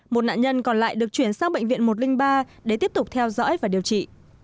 một nạn nhân còn lại được chuyển sang bệnh viện một trăm linh ba để tiếp tục theo dõi và điều trị